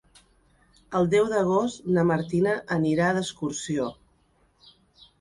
El deu d'agost na Martina anirà d'excursió.